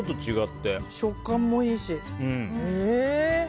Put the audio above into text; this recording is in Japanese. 食感もいいし。